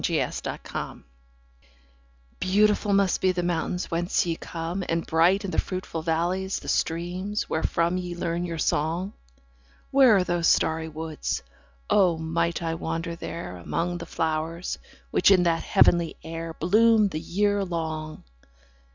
Nightingales BEAUTIFUL must be the mountains whence ye come, And bright in the fruitful valleys the streams, wherefrom Ye learn your song: Where are those starry woods? O might I wander there, Among the flowers, which in that heavenly air 5 Bloom the year long!